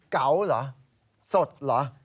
เก๋าเหรอสดเหรอ